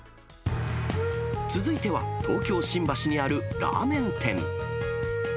続いては、東京・新橋にあるラーメン店。